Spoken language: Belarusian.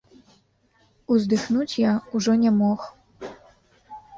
Уздыхнуць я ўжо не мог.